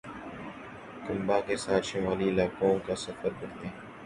کنبہ کے ساتھ شمالی علاقوں کا سفر کرتے ہیں